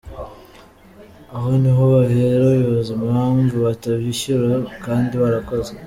Aho niho bahera bibaza impamvu batabishyura kandi barakoze.